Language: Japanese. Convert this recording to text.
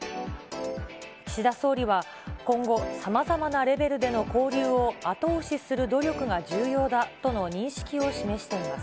岸田総理は今後、さまざまなレベルでの交流を後押しする努力が重要だとの認識を示しています。